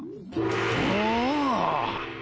おお！